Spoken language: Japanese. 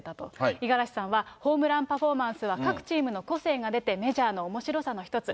五十嵐さんは、ホームランパフォーマンスは各チームの個性が出て、メジャーのおもしろさの一つ。